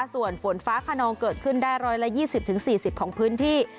ส่วนฝนฟ้าคะนองเกิดขึ้นได้รอยละยี่สิบถึงสี่สิบของพื้นที่